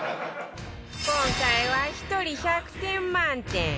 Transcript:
今回は１人１００点満点